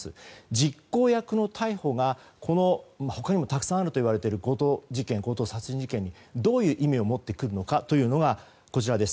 実行役の逮捕が、他にもたくさんあるといわれている強盗事件、強盗殺人事件どういう意味を持ってくるのかというのがこちらです。